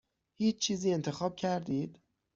هیچ چیزی انتخاب کردید؟